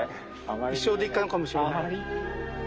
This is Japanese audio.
一生で一回かもしれない。